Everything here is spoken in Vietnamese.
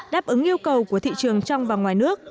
đáp ứng yêu cầu của thị trường trong và ngoài nước